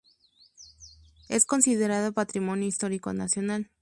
Es considerado Patrimonio Histórico Nacional.